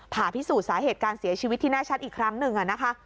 ผ่าพิสูจน์สาเหตุการเสียชีวิตที่แน่ชัดอีกครั้งหนึ่งนะคะ